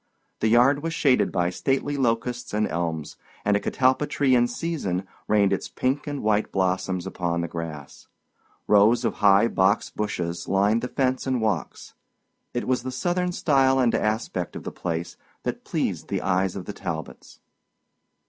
The yard was shaded by stately locusts and elms, and a catalpa tree in season rained its pink and white blossoms upon the grass. Rows of high box bushes lined the fence and walks. It was the Southern style and aspect of the place that pleased the eyes of the Talbots.